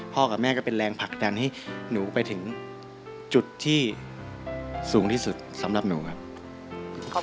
กับแม่ก็เป็นแรงผลักดันให้หนูไปถึงจุดที่สูงที่สุดสำหรับหนูครับ